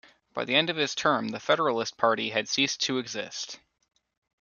By the end of his term the Federalist Party had ceased to exist.